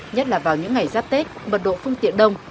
nhất là vào những ngày giáp tết mật độ phương tiện đông